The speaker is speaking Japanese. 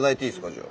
じゃあ。